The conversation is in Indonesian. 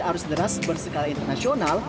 arus deras bersikala internasional